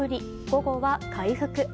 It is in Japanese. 午後は回復。